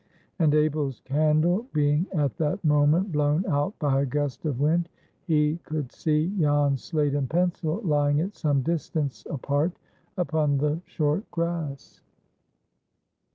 And Abel's candle being at that moment blown out by a gust of wind, he could see Jan's slate and pencil lying at some distance apart upon the short grass.